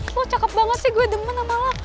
wah cakep banget sih gue demen sama lo